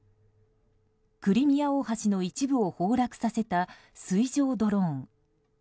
クリミア大橋の一部を崩落させた水上ドローン。